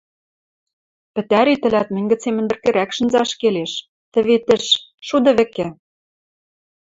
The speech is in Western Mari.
— Пӹтӓри тӹлӓт мӹнь гӹцем мӹндӹркӹрӓк шӹнзӓш келеш, тӹве тӹш, шуды вӹкӹ.